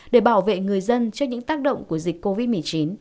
để bảo vệ người dân trước những tác động của dịch covid một mươi chín